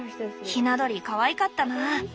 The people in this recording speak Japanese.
ひな鳥かわいかったな。